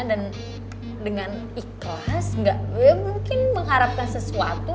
dan dengan ikhlas gak gue mungkin mengharapkan sesuatu